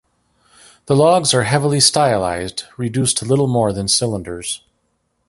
The logs are heavily stylized, reduced to little more than cylinders.